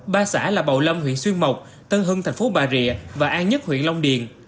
ba xã là bầu lâm huyện xuyên mộc tân hưng thành phố bà rịa và an nhất huyện long điền